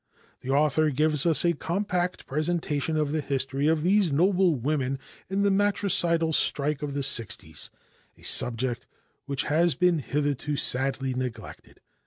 The author gives us a compact presentation of the history of these noble women in the matricidal strike of the 60's, a subject which has been hitherto sadly neglected.